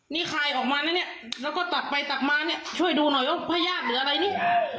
นี่คลายออกมาแล้วก็ตัดไปตัดมาช่วยดูหน่อยว่าพยาบหรืออะไรนี่